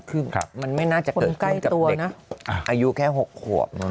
คือมันไม่น่าจะเกิดขึ้นกับเด็กอายุแค่๖ขวบ